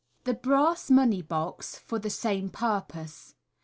The Brass Money box, for the same purpose.